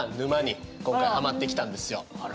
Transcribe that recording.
あら。